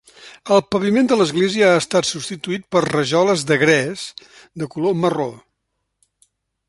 El paviment de l'església ha estat substituït per rajoles de gres de color marró.